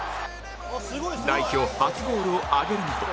代表初ゴールを挙げるなど